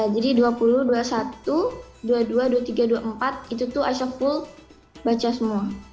dua puluh dua puluh satu dua puluh dua dua puluh tiga dua puluh empat itu tuh isoful baca semua